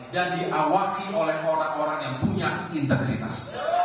dan diawaki oleh orang orang yang punya integritas